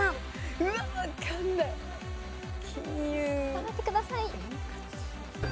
頑張ってください。